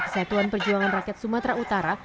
satuan perjuangan rakyat sumatera utara